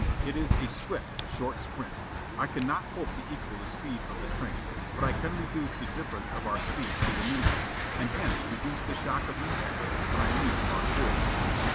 It is a swift, short sprint. I cannot hope to equal the speed of the train, but I can reduce the difference of our speed to the minimum, and, hence, reduce the shock of impact, when I leap on board.